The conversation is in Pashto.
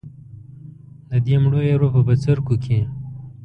د دې مړو ایرو په بڅرکیو کې.